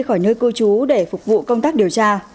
khỏi nơi cư trú để phục vụ công tác điều tra